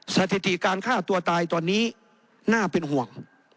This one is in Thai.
สถิติการฆ่าตัวตายตอนนี้น่าเป็นห่วง